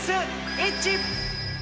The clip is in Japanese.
イッチ。